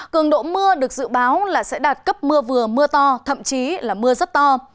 cường độ mưa được dự báo là sẽ đạt cấp mưa vừa mưa to thậm chí là mưa rất to